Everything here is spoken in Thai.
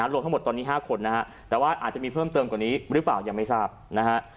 รวมทั้งหมดตอนนี้๕คนนะฮะแต่ว่าอาจจะมีเพิ่มเติมกว่านี้หรือเปล่ายังไม่ทราบนะฮะ